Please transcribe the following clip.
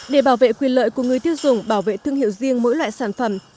để bảo vệ quyền lợi của người tiêu dùng bảo vệ thương hiệu riêng mỗi loại sản phẩm